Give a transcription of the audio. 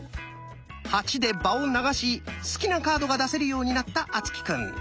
「８」で場を流し好きなカードが出せるようになった敦貴くん。